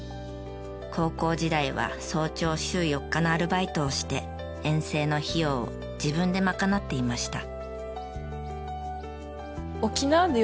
高校時代は早朝週４日のアルバイトをして遠征の費用を自分で賄っていました。